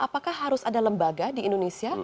apakah harus ada lembaga di indonesia